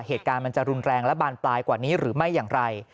เหตุการณ์มันจะรุนแรงและบานปลายกว่านี้หรือไม่อย่างไร